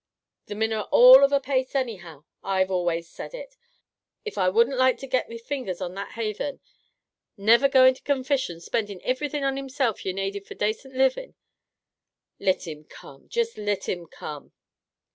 The min are all of a pace anyhow! I've always said it! If I wouldn't like to get me fingers on that haythen; never goin' to confission, spindin' ivrything on himself you naded for dacent livin'! Lit him come! Just lit him come!"